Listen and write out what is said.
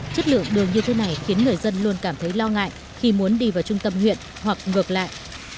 chất lượng đường như thế này khiến người dân luôn cảm thấy lo ngại khi muốn đi vào trung tâm huyện hoặc ngược lại